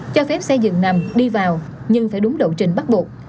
cho phép xe dường nằm đi vào nhưng phải đúng độ trình bắt buộc